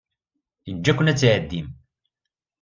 Yeǧǧa-ken ad tɛeddim.